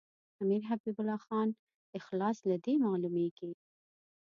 امیر حبیب الله خان اخلاص له دې معلومیږي.